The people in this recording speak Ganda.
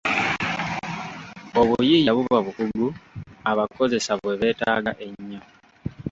Obuyiiya buba bukugu abakozesa bwe beetaaga ennyo.